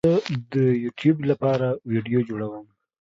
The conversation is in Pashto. زه د یوټیوب لپاره ویډیو جوړوم